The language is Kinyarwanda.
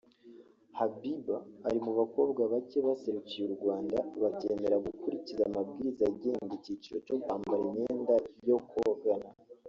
Habiba ari mu bakobwa bake baserukiye u Rwanda bakemera gukurikiza amabwiriza agenga icyiciro cyo kwambara imyenda yo kogana